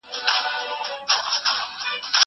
زه به سبا پلان جوړوم وم!